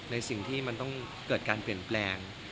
ในสิ่งที่มันต้องเกิดการเปลี่ยนแปลง